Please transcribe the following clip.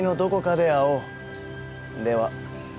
では。